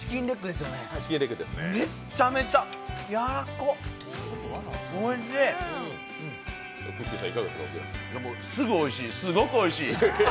すぐおいしい、すごくおいしい。